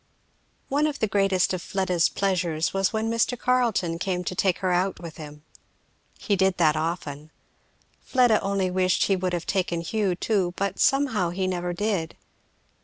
One of the greatest of Fleda's pleasures was when Mr. Carleton came to take her out with him. He did that often. Fleda only wished he would have taken Hugh too, but somehow he never did.